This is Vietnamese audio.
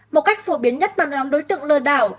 một cách phổ biến nhất bằng nhóm đối tượng lừa đảo